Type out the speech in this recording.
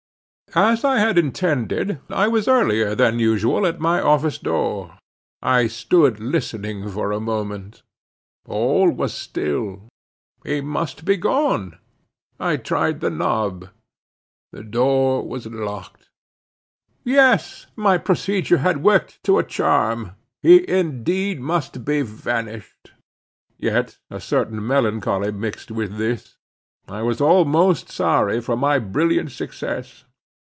As I had intended, I was earlier than usual at my office door. I stood listening for a moment. All was still. He must be gone. I tried the knob. The door was locked. Yes, my procedure had worked to a charm; he indeed must be vanished. Yet a certain melancholy mixed with this: I was almost sorry for my brilliant success.